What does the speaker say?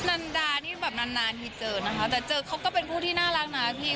นันดานี่แบบนานนานทีเจอนะคะแต่เจอเขาก็เป็นผู้ที่น่ารักนะพี่